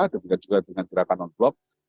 dan juga dengan gerakan non block